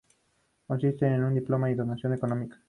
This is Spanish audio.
Consiste en un diploma y una dotación económica.